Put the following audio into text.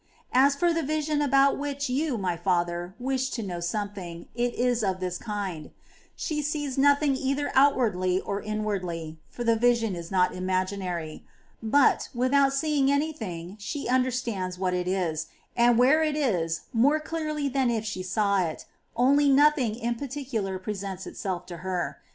26. As for the vision about which you, my father, wish to know something, it is of this kind : she sees nothing either out wardly or inwardly, for the vision is not imaginary ; but, without seeing any thing, she understands what it is, and where it is, more clearly than if she saw it, only nothing in particular pre sents itself to her.